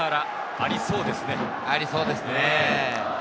ありそうですね。